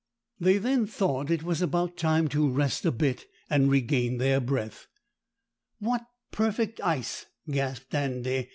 They then thought it was about time to rest a bit and regain their breath. "What perfect ice!" gasped Andy.